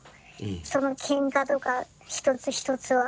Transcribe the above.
そのけんかとか一つ一つは。